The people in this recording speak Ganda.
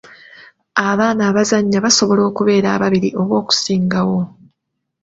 Abaana abazannya basobola okubeera ababiri oba okusingawo.